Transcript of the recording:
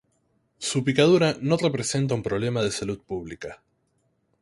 Su picadura no representa un problema de salud pública.